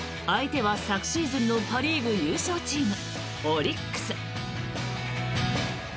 相手は昨シーズンのパ・リーグ優勝チームオリックス。